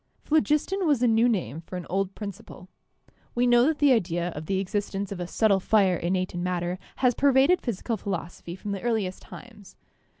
Phlogiston was a new name for an old principle. We know that the idea of the existence of a subtle fire innate in matter has pervaded physical philosophy from the earli est times.